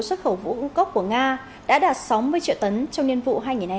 xuất khẩu ngũ cốc của nga đã đạt sáu mươi triệu tấn trong nhiệm vụ hai nghìn hai mươi hai hai nghìn hai mươi ba